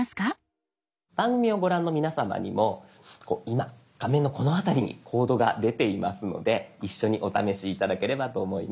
番組をご覧の皆さまにも今画面のこの辺りにコードが出ていますので一緒にお試し頂ければと思います。